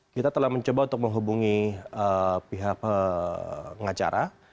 kita telah mencoba untuk menghubungi pihak pengacara